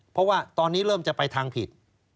เพราะว่าตอนนี้เริ่มจะไปทางผิด